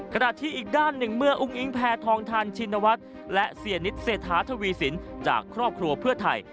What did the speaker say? ขณะที่อีกด้านหนึ่งเมื่ออุ้งอิงแพทองทานชินวัฒน์และเสียนิดเศรษฐาทวีสินจากครอบครัวเพื่อไทย